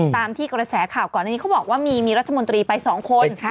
ตามที่กระแสข่าวก่อนอันนี้เขาบอกว่ามีรัฐมนตรีไป๒คน